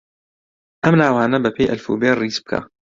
ئەم ناوانە بەپێی ئەلفوبێ ڕیز بکە.